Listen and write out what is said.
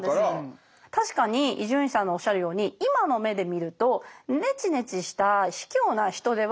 確かに伊集院さんのおっしゃるように今の目で見るとネチネチした卑怯な人では決してないんですよ。